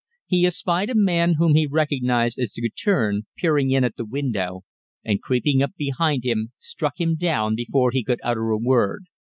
He espied a man whom he recognized as Guertin peering in at the window, and, creeping up behind him, struck him down before he could utter a word.